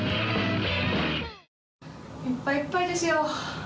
いっぱい、いっぱいですよ。